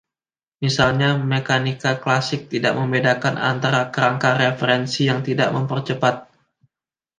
Misalnya, mekanika klasik tidak membedakan antara kerangka referensi yang tidak mempercepat.